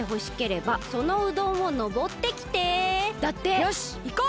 よしいこう！